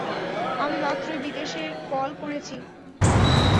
আমি মাত্রই বিদেশে কল করেছি।